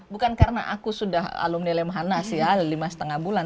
bukan karena aku sudah alumni lemhanas ya lima lima bulan